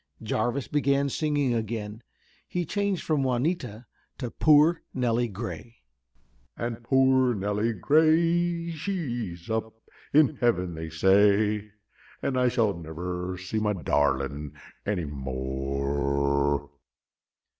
Jarvis began singing again. He changed from Juanita to "Poor Nelly Gray": "And poor Nelly Gray, she is up in Heaven, they say, And I shall never see my darling any more."